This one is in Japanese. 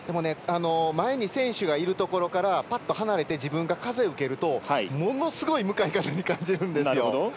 前に選手がいるところからパッと離れて自分が風を受けるとものすごい向かい風に感じるんですよ。